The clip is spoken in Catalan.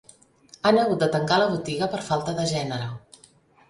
Han hagut de tancar la botiga per falta de gènere.